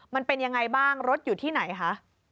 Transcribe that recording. มันเป็นยังไงบ้างรถอยู่ที่ไหนคะ